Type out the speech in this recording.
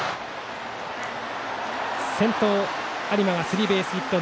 先頭、有馬がスリーベースヒット。